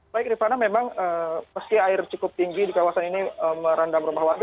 baik rifana memang meski air cukup tinggi di kawasan ini merendam rumah warga